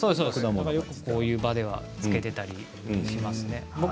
こういう場ではよくつけていたりしますね。